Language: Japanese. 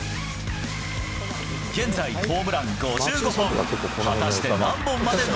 現在、ホームラン５５本。